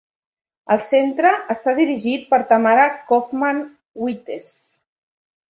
El Centre està dirigit per Tamara Cofman Wittes.